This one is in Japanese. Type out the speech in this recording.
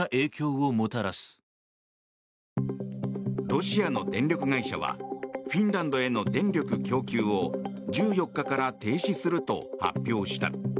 ロシアの電力会社はフィンランドへの電力供給を１４日から停止すると発表した。